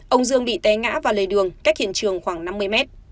ông dương bị té ngã vào lề đường cách hiện trường khoảng năm mươi mét